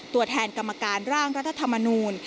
ตัวแทนกรรมการร่างรัฐธรรมนูล